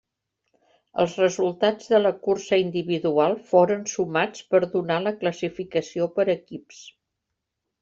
Els resultats de la cursa individual foren sumats per donar la classificació per equips.